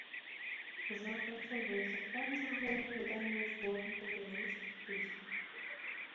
Ужо апрацоўваецца план чарговых выданняў зборнікаў беларускіх песень.